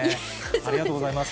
ありがとうございます。